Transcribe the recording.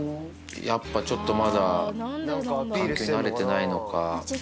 やっぱちょっとまだ、環境に慣れてないのか。